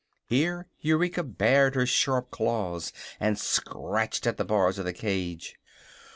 (Here Eureka bared her sharp claws and scratched at the bars of the cage.)